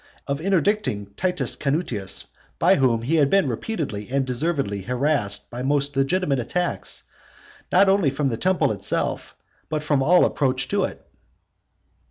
of interdicting Titus Canutius, by whom he had been repeatedly and deservedly harassed by most legitimate attacks, not only from the temple itself but from all approach to it?